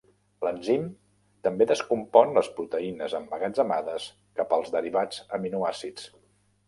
L'enzim també descompon les proteïnes emmagatzemades cap als derivats aminoàcids.